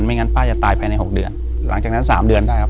งั้นป้าจะตายภายในหกเดือนหลังจากนั้นสามเดือนได้ครับ